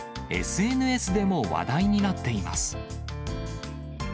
ＳＮＳでも話題になっています。